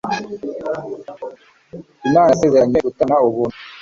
Imana yasezeranye gutangana ubuntu